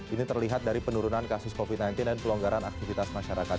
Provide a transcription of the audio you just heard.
ini terlihat dari penurunan kasus covid sembilan belas dan pelonggaran aktivitas masyarakat